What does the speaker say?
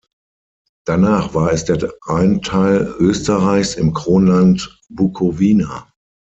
Danach war es der ein Teil Österreichs im Kronland Bukowina.